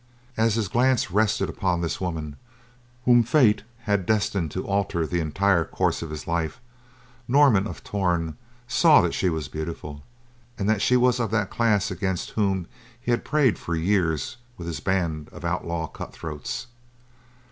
As his glance rested upon this woman, whom fate had destined to alter the entire course of his life, Norman of Torn saw that she was beautiful, and that she was of that class against whom he had preyed for years with his band of outlaw cut throats.